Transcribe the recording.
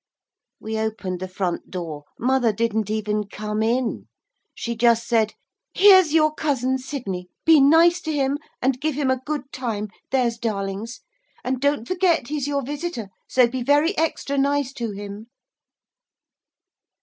We opened the front door. Mother didn't even come in. She just said, 'Here's your Cousin Sidney. Be nice to him and give him a good time, there's darlings. And don't forget he's your visitor, so be very extra nice to him.'